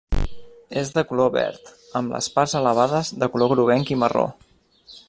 És de color verd amb les parts elevades de color groguenc i marró.